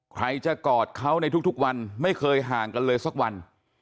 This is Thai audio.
ใครจะกอดเขาในทุกวันไม่เคยห่างกันเลยสักวัน